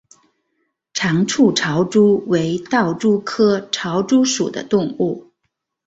长触潮蛛为盗蛛科潮蛛属的动物。